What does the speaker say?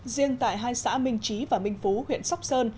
riêng tại hai xã minh trí và minh phú huyện sóc sơn